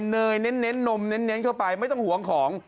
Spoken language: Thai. เนยเน้นนมเน้นเข้าไปไม่ต้องห่วงของ